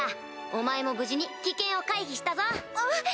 お前も無事に危険を回避したぞ！